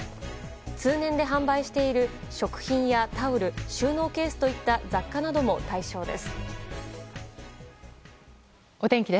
通年で販売している食品やタオル収納ケースといった雑貨なども対象です。